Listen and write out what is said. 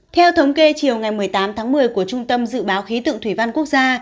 theo thống kê chiều ngày một mươi tám tháng một mươi của trung tâm dự báo khí tượng thủy văn quốc gia